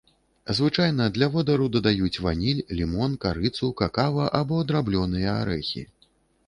Звычайна для водару дадаюць ваніль, лімон, карыцу, какава або драблёныя арэхі.